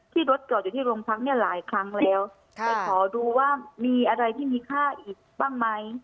รถจอดอยู่ที่โรงพักเนี่ยหลายครั้งแล้วไปขอดูว่ามีอะไรที่มีค่าอีกบ้างไหม